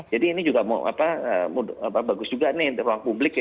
jadi ini bagus juga untuk ruang publik